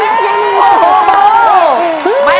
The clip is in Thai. หนึ่งหมื่นหนึ่งหมื่น